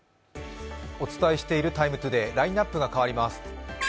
お伝えしている「ＴＩＭＥ，ＴＯＤＡＹ」ラインナップが変わります。